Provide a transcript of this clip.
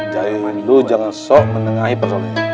jadi lu jangan sok menengahi persoalannya